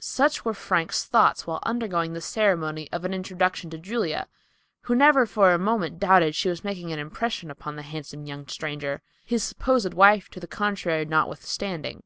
Such were Frank's thoughts while undergoing the ceremony of an introduction to Julia, who never for a moment doubted she was making an impression upon the handsome young stranger, his supposed wife to the contrary notwithstanding.